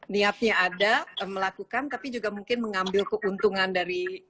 niatnya ada melakukan tapi juga mungkin mengambil keuntungan dari